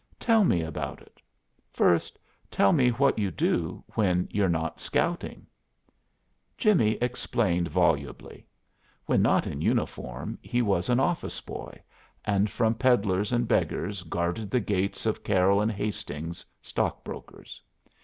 "Tell me about it. First, tell me what you do when you're not scouting." Jimmie explained volubly. When not in uniform he was an office boy and from pedlers and beggars guarded the gates of Carroll and Hastings, stock brokers.